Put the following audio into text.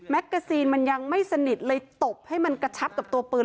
แกซีนมันยังไม่สนิทเลยตบให้มันกระชับกับตัวปืน